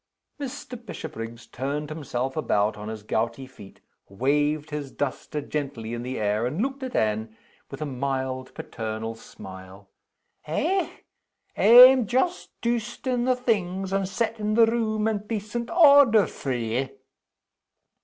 Mr. Bishopriggs turned himself about on his gouty feet; waved his duster gently in the air; and looked at Anne, with a mild, paternal smile. "Eh! Am just doostin' the things; and setin' the room in decent order for ye."